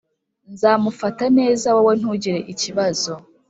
Nzamufata neza wowe ntugire ikibazo